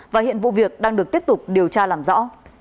và hiện vụ việc đang được tiếp tục điều tra làm rõ